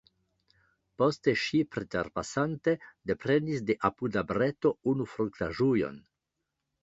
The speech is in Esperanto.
Poste ŝi, preterpasante, deprenis de apuda breto unu fruktaĵujon.